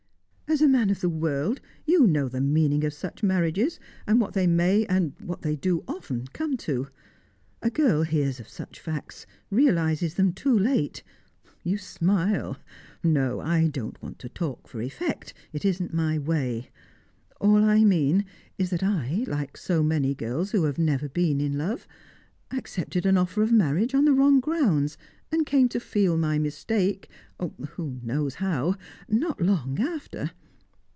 "As a man of the world, you know the meaning of such marriages, and what they may, what they do often, come to. A girl hears of such facts realises them too late. You smile. No, I don't want to talk for effect; it isn't my way. All I mean is that I, like so many girls who have never been in love, accepted an offer of marriage on the wrong grounds, and came to feel my mistake who knows how? not long after.